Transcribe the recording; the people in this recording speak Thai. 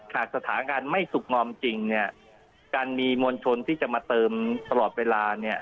สถานการณ์ไม่สุขงอมจริงเนี่ยการมีมวลชนที่จะมาเติมตลอดเวลาเนี่ย